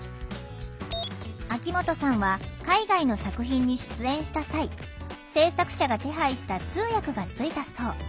秋元さんは海外の作品に出演した際制作者が手配した通訳がついたそう。